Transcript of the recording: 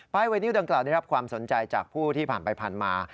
ไวนิวดังกล่าวได้รับความสนใจจากผู้ที่ผ่านไปผ่านมา